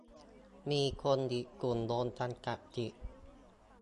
มีคนอีกกลุ่มโดนจำกัดสิทธิ์